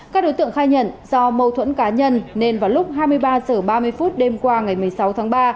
các đối tượng khai nhận do mâu thuẫn cá nhân nên vào lúc hai mươi ba h ba mươi phút đêm qua ngày một mươi sáu tháng ba